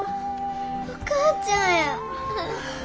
お母ちゃんや。